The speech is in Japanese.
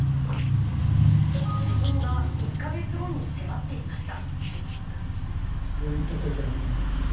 時効が１か月後に迫っていました。